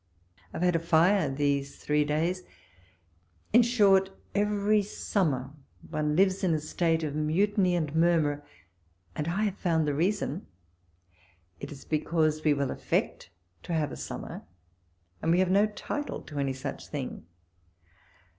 I have had a fire these three days. In short, every summer one lives in a state of mutiny and murmur, and I have found the reason : it is because we will affect to have a summer, and we have no title to any such thing.